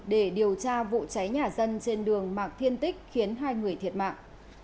để điều tra vụ cháy nhà dân trên đường mạc thiên tích khiến hai người thiệt mạng